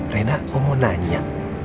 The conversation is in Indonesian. rena om mau nanya